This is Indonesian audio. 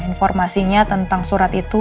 informasinya tentang surat itu